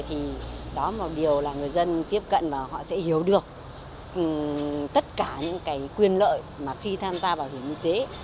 thì đó là một điều là người dân tiếp cận và họ sẽ hiểu được tất cả những cái quyền lợi mà khi tham gia bảo hiểm y tế